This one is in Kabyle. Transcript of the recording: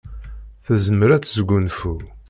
Tezmer ad tesgunfu.